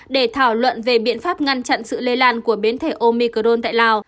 để thảo luận về biện pháp ngăn chặn sự lây lan của biến thể omicron tại lào